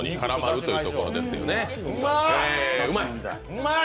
うまい！